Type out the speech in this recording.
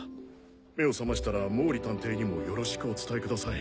目を覚ましたら毛利探偵にもよろしくお伝えください。